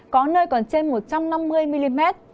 có nơi còn trên một trăm năm mươi mm